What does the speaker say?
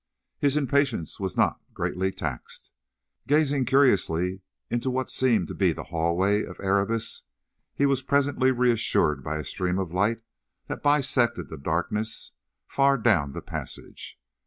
His impatience was not greatly taxed. Gazing curiously into what seemed the hallway to Erebus, he was presently reassured by a stream of light that bisected the darkness, far down the passage.